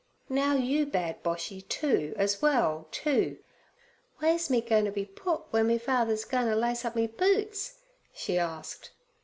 'Now you bad Boshy, too, as well, too. Ways me going t' be put w'en me father's goin' t' lace up me boots?' she asked.